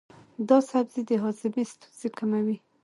دا سبزی د هاضمې ستونزې کموي.